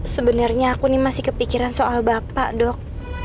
sebenernya aku nih masih kepikiran soal bapak dok